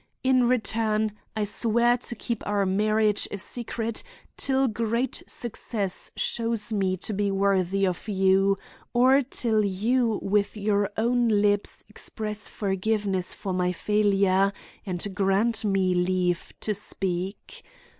In return, I swear to keep our marriage a secret till great success shows me to be worthy of you or till you with your own lips express forgiveness of my failure and grant me leave to speak.